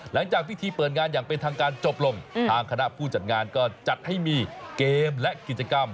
หลังจากพิธีเปิดงานอย่างเป็นทางการจบลงทางคณะผู้จัดงานก็จัดให้มีเกมและกิจกรรม